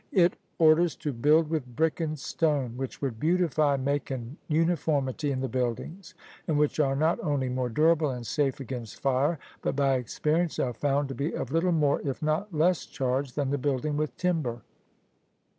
It orders to build with brick and stone, "which would beautify, and make an uniformity in the buildings; and which are not only more durable and safe against fire, but by experience are found to be of little more if not less charge than the building with timber."